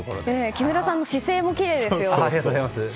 木村さんの姿勢もきれいですよ。